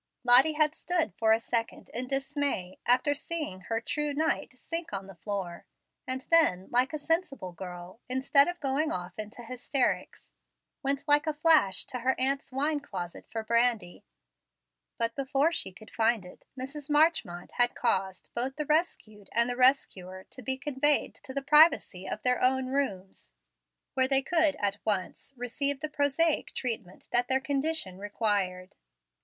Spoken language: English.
Lottie had stood for a second in dismay, after seeing her "true knight" sink on the floor, and then, like a sensible girl, instead of going off into hysterics, went like a flash to her aunt's wine closet for brandy. But before she could find it Mrs. Marchmont had caused both the rescued and the rescuer to be conveyed to the privacy of their own rooms, where they could at once receive the prosaic treatment that their condition required.